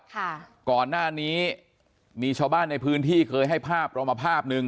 ก่อนหน้านี้มีชาวบ้านในพื้นที่เคยให้ภาพเรามาภาพหนึ่ง